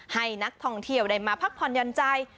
ให้นักท่องเที่ยวได้มาพักผ่อนหย่อนใจ